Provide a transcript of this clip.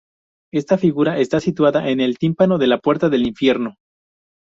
Esta figura está situada en el tímpano de La puerta del Infierno.